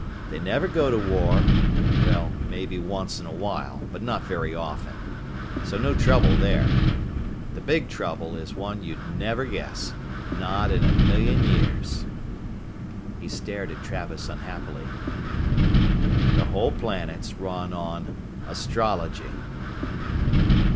They never go to war, well maybe once in a while, but not very often. So no trouble there. The big trouble is one you'd never guess, not in a million years." He stared at Travis unhappily. "The whole planet's run on astrology."